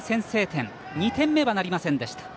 ２点目はなりませんでした。